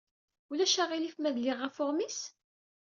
Ulac aɣilif ma dliɣ ɣef uɣmis?